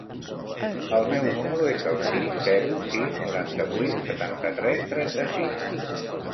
El meu número es el sis, zero, sis, noranta-vuit, setanta-tres, trenta-sis.